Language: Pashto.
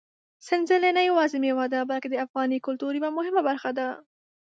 سنځله نه یوازې مېوه ده، بلکې د افغاني کلتور یوه مهمه برخه ده.